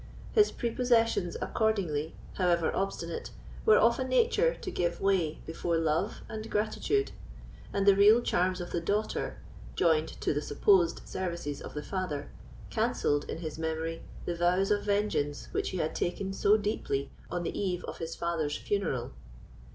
His prepossessions accordingly, however obstinate, were of a nature to give way before love and gratitude; and the real charms of the daughter, joined to the supposed services of the father, cancelled in his memory the vows of vengeance which he had taken so deeply on the eve of his father's funeral.